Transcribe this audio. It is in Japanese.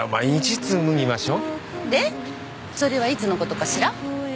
それはいつのことかしら？